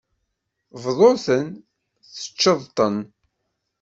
Bḍu-ten, teččeḍ-ten.